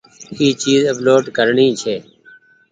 اي چيز اپلوڊ ڪرڻي ڇي۔